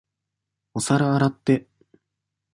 お皿洗って。